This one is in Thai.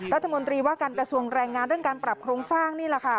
รัฐมนตรีว่าการกระทรวงแรงงานเรื่องการปรับโครงสร้างนี่แหละค่ะ